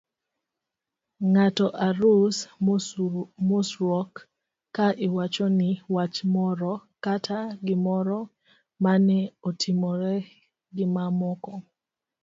ng'ato e arus, mosruok, ka iwachoni wach moro kata gimoro mane otimore gimamoko